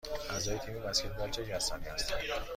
اعضای تیم بسکتبال چه کسانی هستند؟